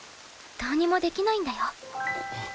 どうにもできないんだよ。